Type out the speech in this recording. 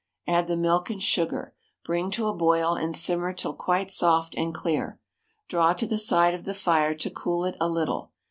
Add the milk and sugar. Bring to a boil, and simmer till quite soft and clear. Draw to the side of the fire, to cool it a little.